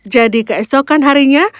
jadi keesokan harinya